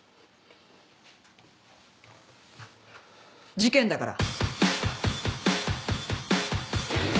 事件だから。